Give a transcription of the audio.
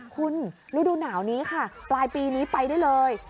คุณฤดูหนาวนี้ค่ะปลายปีนี้ไปได้เลย